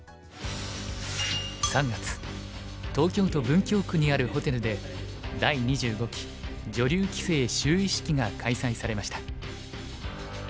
３月東京都文京区にあるホテルで第２５期女流棋聖就位式が開催されました。